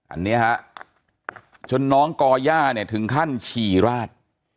อันนี้ฮะจนน้องก่อย่าเนี่ยถึงขั้นฉี่ราด